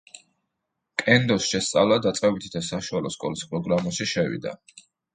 კენდოს შესწავლა დაწყებითი და საშუალო სკოლის პროგრამაში შევიდა.